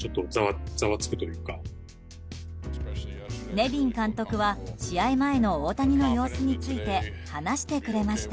ネビン監督は試合前の大谷の様子について話してくれました。